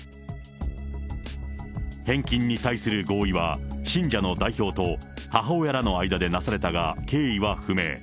返金に対する合意は、信者の代表と母親らの間でなされたが、経緯は不明。